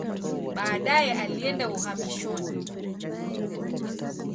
Baadaye alienda uhamishoni.